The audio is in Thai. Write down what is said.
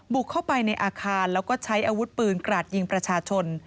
บุกเข้าไปในอาคารแล้วก็ใช้อาวุธปืนกราดยิงประชาชน